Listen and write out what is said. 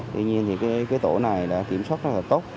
tuy nhiên thì cái tổ này đã kiểm soát rất là tốt